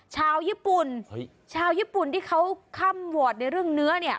ชาวญี่ปุ่นชาวญี่ปุ่นที่เขาค่ำวอร์ดในเรื่องเนื้อเนี่ย